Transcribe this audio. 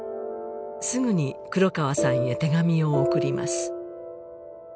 すぐに黒川さんへ手紙を送ります